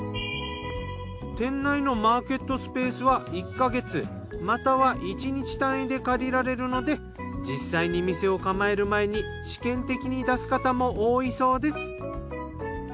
店内のマーケットスペースは１か月または１日単位で借りられるので実際に店を構える前に試験的に出す方も多いそうです。